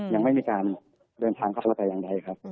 ยังไม่มีการเดินทางของเขาออกไปไหนครับ